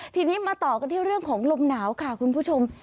ทีนี้มาต่อกันที่เรื่องของลมหนาวค่ะคุณผู้ชม